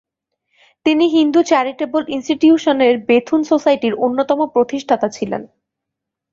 তিনি হিন্দু চ্যারিট্যাবল ইনস্টিটিউশনের বেথুন সোসাইটির অন্যতম প্রতিষ্ঠাতা ছিলেন।